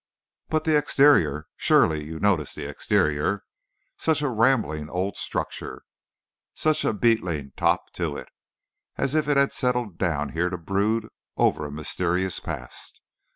"But the exterior! Surely you noticed the exterior. Such a rambling old structure; such a beetling top to it, as if it had settled down here to brood over a mysterious past.